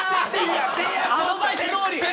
アドバイスどおり！